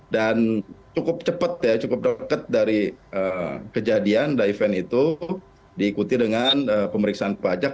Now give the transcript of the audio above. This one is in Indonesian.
dan cukup cepat ya cukup deket dari kejadian daifan itu diikuti dengan pemeriksaan pajak